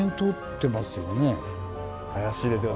怪しいですよね。